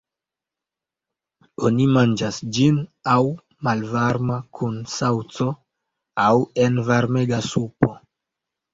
Oni manĝas ĝin aŭ malvarma kun saŭco, aŭ en varmega supo.